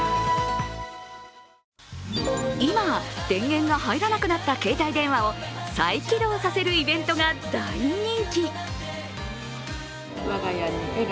今、電源が入らなくなった携帯電話を再起動させるイベントが大人気。